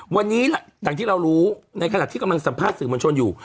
วันนี้หนังที่เรารู้ในขณะใครคำสัมภาษณ์สื่อมันชนอยู่